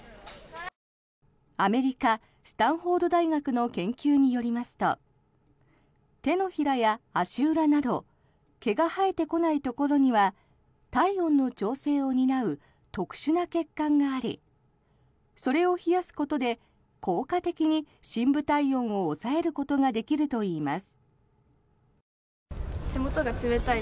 アメリカ・スタンフォード大学の研究によりますと手のひらや足裏など毛が生えてこないところには体温の調整を担う特殊な血管がありそれを冷やすことで効果的に深部体温を抑えることができるといいます。